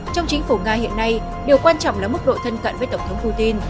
trong chính phủ nga hiện nay điều quan trọng là mức độ thân cận với tổng thống putin